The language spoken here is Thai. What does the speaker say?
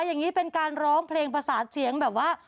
อย่างนี้เป็นการร้องเพลงประสาทเสียงแบบว่า